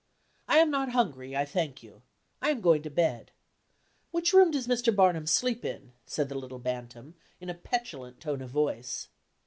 "I am not hungry, I thank you; I am going to bed. Which room does Mr. Barnum sleep in?" said the little bantam, in a petulant tone of voice.